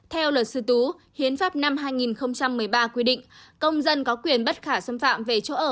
theo luật sư tú hiến pháp năm hai nghìn một mươi ba quy định công dân có quyền bất khả xâm phạm về chỗ ở